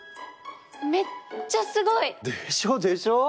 めっちゃすごい！でしょでしょ！